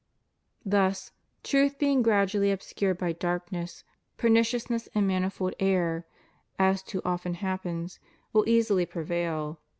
Thus, truth being gradually obscured by darkness, per nicious and manifold error, as too often happens, will easily prevail.